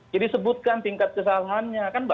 jadi sebutkan tingkat kesalahannya